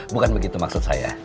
bukan begitu maksud saya